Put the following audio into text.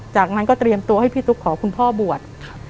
จากนั้นก็เตรียมตัวให้พี่ตุ๊กขอคุณพ่อบวช